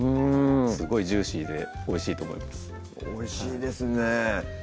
すごいジューシーでおいしいと思いますおいしいですね